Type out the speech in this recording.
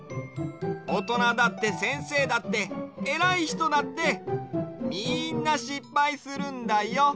おとなだってせんせいだってえらいひとだってみんなしっぱいするんだよ。